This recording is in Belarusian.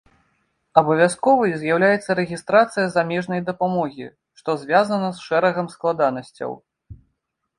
Абавязковай з'яўляецца рэгістрацыя замежнай дапамогі, што звязана з шэрагам складанасцяў.